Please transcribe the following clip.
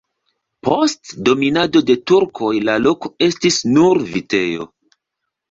Post dominado de turkoj la loko estis nur vitejo.